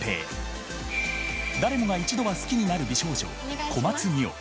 誰もが一度は好きになる美少女小松澪。